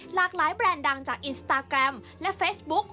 หลากหลายแบรนด์ดังจากอินสตาแกรมและเฟซบุ๊ก